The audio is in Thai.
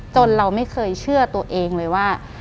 เราไม่เคยเชื่อตัวเองเลยว่า